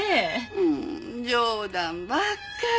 うん冗談ばっかり。